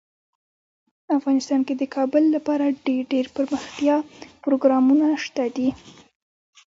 افغانستان کې د کابل لپاره ډیر دپرمختیا پروګرامونه شته دي.